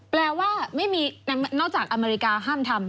แปลว่าไม่มีนอกจากอเมริกาห้ามทำ